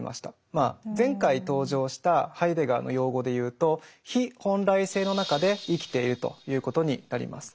まあ前回登場したハイデガーの用語でいうと「非本来性」の中で生きているということになります。